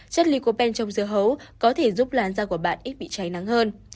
chất lycopene trong dơ hấu có thể giúp làn da của bạn ít bị cháy nắng hơn